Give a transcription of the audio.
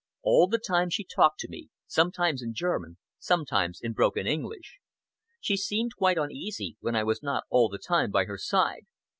All the time she talked to me, sometimes in German, sometimes in broken English. She seemed quite uneasy when I was not all the time by her side.